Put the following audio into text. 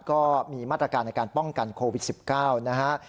ก็มีมาตรการในการป้องกันโควิด๑๙นะฮะ